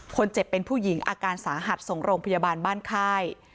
คนเจ็บเป็นผู้หญิงอาการสาหัสส่งโรงพยาบาลบ้านค่าย